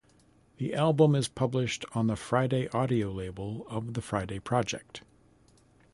The album is published on the Friday Audio label of The Friday Project.